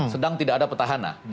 sedang tidak ada petahana